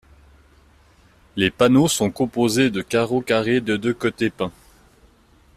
Les panneaux sont composés de carreaux carrés de de côté, peints.